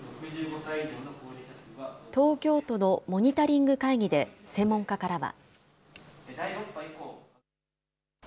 東京都のモニタリング会議で専門家からは。